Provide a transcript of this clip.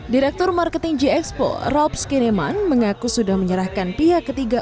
direktur marketing gxp rob skiriman mengaku sudah menyerahkan pihak ketiga